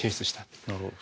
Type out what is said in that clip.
なるほど。